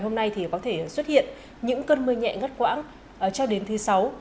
nó sẽ ngất quãng cho đến thứ sáu